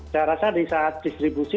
saya rasa di saat distribusi